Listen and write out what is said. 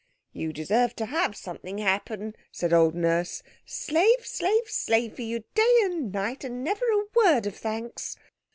"You deserve to have something happen," said old Nurse. "Slave, slave, slave for you day and night, and never a word of thanks.